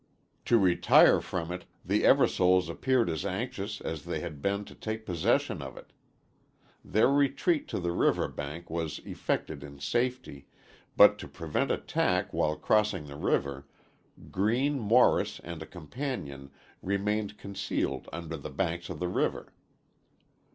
To retire from it the Eversoles appeared as anxious as they had been to take possession of it. Their retreat to the river bank was effected in safety, but to prevent attack while crossing the river, Green Morris and a companion remained concealed under the banks of the river.